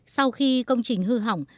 sau khi công trình hư hỏng